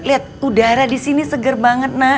lihat udara di sini seger banget nak